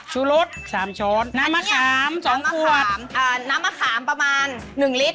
ชุรส๓ช้อนน้ำมะขาม๒ขวดน้ำมะขามน้ำมะขามประมาณ๑ลิตร